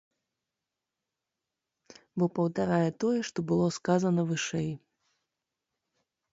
Бо паўтарае тое, што было сказана вышэй.